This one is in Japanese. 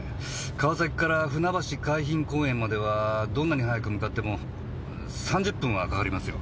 川崎から船橋海浜公園まではどんなに早く向かっても３０分はかかりますよ。